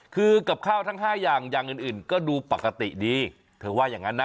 คือกับข้าวทั้ง๕อย่างอย่างอื่นอื่นก็ดูปกติดีเธอว่าอย่างนั้นนะ